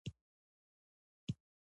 ته يې مو سره مينه لرې؟